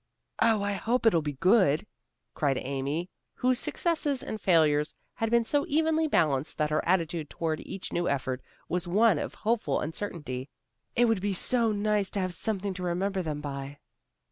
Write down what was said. "Oh, I hope it'll be good," cried Amy, whose successes and failures had been so evenly balanced that her attitude toward each new effort was one of hopeful uncertainty. "It would be so nice to have something to remember them by."